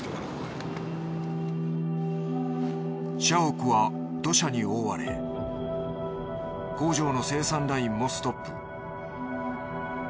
社屋は土砂に覆われ工場の生産ラインもストップ。